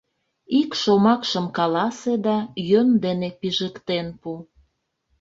Ик шомакшым каласе да йӧн дене пижыктен пу.